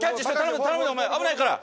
頼むでお前危ないから。